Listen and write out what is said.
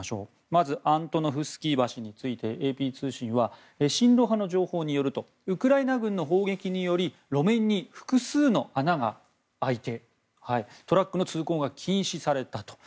まずアントノフスキー橋についてＡＰ通信は親露派の情報によるとウクライナ軍の砲撃により路面に複数の穴が開いてトラックの通行が禁止されたと。